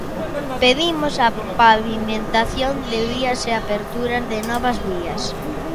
Pedimos a pavimentación de vías e a apertura de novas vías.